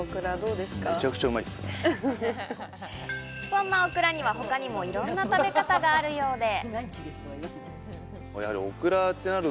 そんなオクラには他にもいろんな食べ方があるようで。